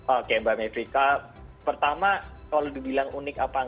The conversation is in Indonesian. oke mbak meprika pertama kalau dibilang unik apa